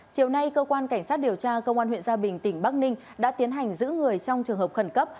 chiều nay cơ quan cảnh sát điều tra công an huyện gia bình tỉnh bắc ninh đã tiến hành giữ người trong trường hợp khẩn cấp